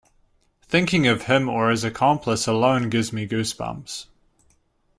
Thinking of him or his accomplice alone gives me goose bumps.